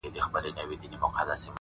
د پښو د څو نوکانو سر قلم دی خو ته نه يې”